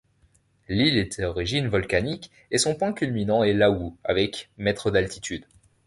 L'île est d'origine volcanique et son point culminant est l'Awu avec mètres d'altitude.